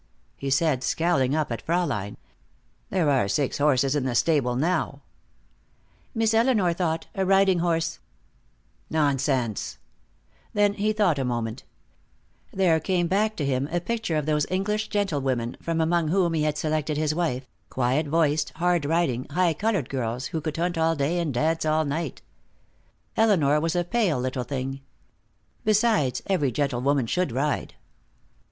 he said, scowling up at Fraulein. "There are six horses in the stable now." "Miss Elinor thought a riding horse " "Nonsense!" Then he thought a moment. There came back to him a picture of those English gentlewomen from among whom he had selected his wife, quiet voiced, hard riding, high colored girls, who could hunt all day and dance all night. Elinor was a pale little thing. Besides, every gentlewoman should ride.